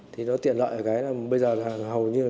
thì nó tiện lợi ở cái bây giờ là hầu như người ta